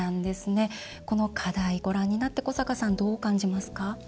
この課題、ご覧になって古坂さん、どう感じますか？